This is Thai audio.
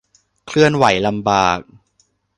เคลื่อนไหวลำบาก